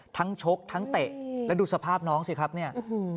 ชกทั้งเตะแล้วดูสภาพน้องสิครับเนี่ย